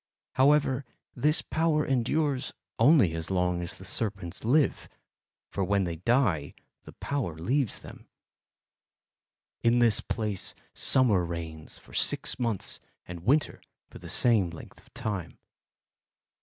However, this power endures only as long as the serpents live, for when they die the power leaves them. In this place summer reigns for six months and winter for the same length of time.